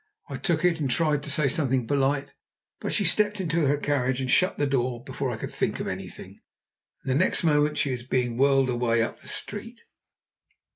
I took it and tried to say something polite, but she stepped into her carriage and shut the door before I could think of anything, and next moment she was being whirled away up the street.